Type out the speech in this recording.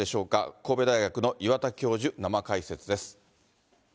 神戸大学の岩田教授、生解説です。